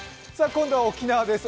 今度は沖縄です。